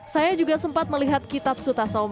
saya juga sempat melihat kitab suta soma yang ditulis